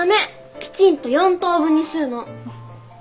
きちんと４等分にするの。